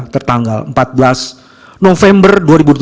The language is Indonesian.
tertanggal empat belas november dua ribu dua puluh tiga